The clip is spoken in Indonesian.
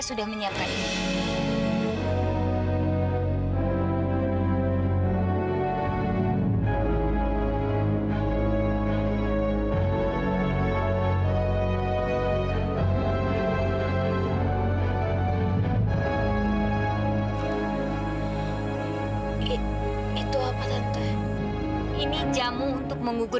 sampai jumpa di video selanjutnya